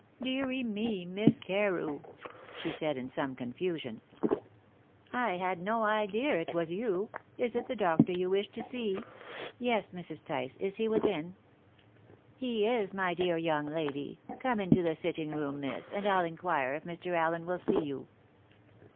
"Deary me, Miss Carew!" she said in some confusion; "I had no idea it was you. Is it the doctor you wish to see?" "Yes, Mrs. Tice. Is he within? "He is, my dear young lady. Come into the sitting room, miss, and I'll inquire if Mr. Allen will see you."